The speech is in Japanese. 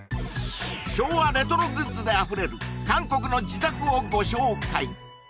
昭和レトログッズであふれる韓国の自宅をご紹介！